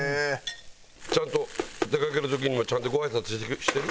ちゃんと出かける時にもちゃんとご挨拶してる？